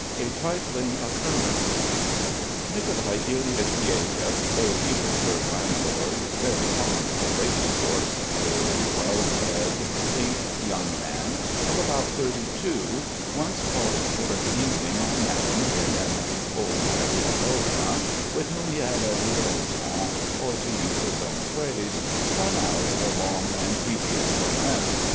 A TRIFLING OCCURRENCE Nicolai Ilyich Byelyaev, a Petersburg landlord, very fond of the racecourse, a well fed, pink young man of about thirty two, once called towards evening on Madame Irnin Olga Ivanovna with whom he had a liaison, or, to use his own phrase, spun out a long and tedious romance.